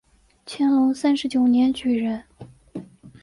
乾隆三十九年举人。